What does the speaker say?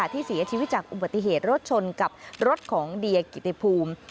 ที่เสียชีวิตจากอุบัติเหตุรถชนกับรถของเดียกิติภูมิ